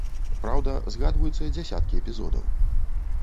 Праўда, згадваюцца дзясяткі эпізодаў.